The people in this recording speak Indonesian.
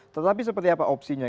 tetapi seperti apa opsinya